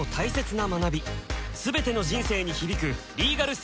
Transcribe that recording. ［全ての人生に響く］